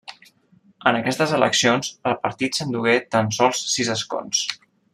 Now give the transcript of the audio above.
En aquestes eleccions el partit s'endugué tan sols sis escons.